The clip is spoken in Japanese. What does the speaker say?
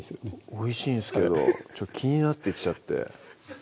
おいしいんすけど気になってきちゃって